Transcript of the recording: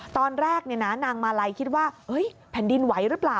ตอนแรกนางมาลัยคิดว่าแผ่นดินไหวหรือเปล่า